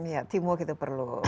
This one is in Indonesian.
ya teamwork itu perlu